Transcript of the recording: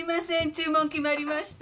注文決まりました